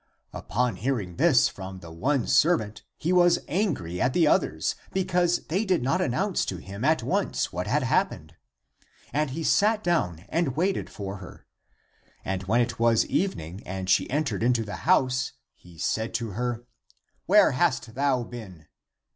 Upon hearing this from the one servant, he was angry at the others, because they did not announce to him at once what ACTS OF THOMAS 303 had happened. And he sat down and waited for her. And when it was evening and she entered into the house, he said to her, " Where hast thou been